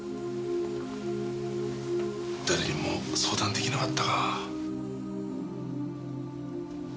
誰にも相談出来なかったか。